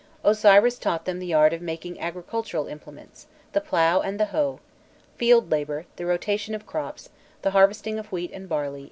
Osiris taught them the art of making agricultural implements the plough and the hoe, field labour, the rotation of crops, the harvesting of wheat and barley,[*] and vine culture.